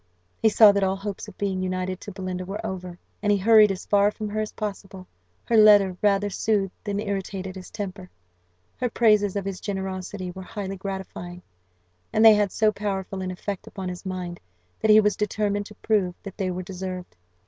He saw that all hopes of being united to Belinda were over, and he hurried as far from her as possible. Her letter rather soothed than irritated his temper; her praises of his generosity were highly gratifying, and they had so powerful an effect upon his mind, that he was determined to prove that they were deserved.